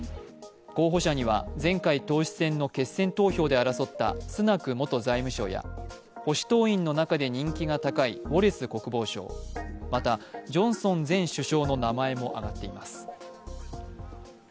候補者には、前回党首選の決選投票で争ったスナク元財務相や保守党員の中で人気が高いウォレス国防相、また、ジョンソン前首相の名前も挙がっています。